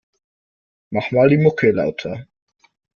Mach mal die Mucke lauter.